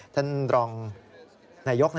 ท่านรองนายก